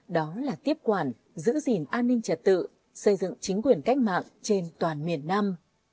đó là tiếp quản giữ gìn an ninh trật tự xây dựng chính quyền cách mạng trên toàn miền nam